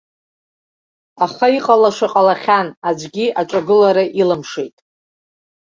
Аха, иҟалаша ҟалахьан, аӡәгьы аҿагылара илымшеит.